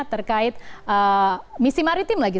terkait misi maritim lagi